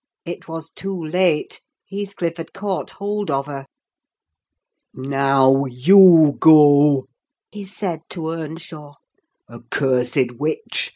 It was too late: Heathcliff had caught hold of her. "Now, you go!" he said to Earnshaw. "Accursed witch!